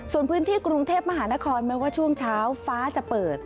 ส่วนพื้นที่กรุงเทพมหานครแม้ว่าช่วงเช้าฟ้าจะเปิด